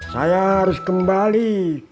saya harus kembali